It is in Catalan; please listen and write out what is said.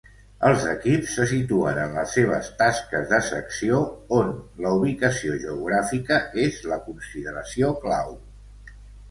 Els equips se situen en les seves tasques de secció on la ubicació geogràfica és la consideració clau.